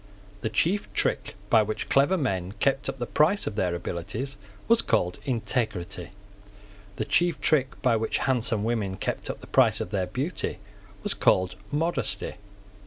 The chief trick by which clever men kept up the price of their abilities was called integrity. The chief trick by which handsome women kept up the price of their beauty was called modesty.